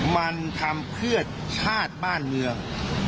มันทำเพื่อชาติบ้านเมือง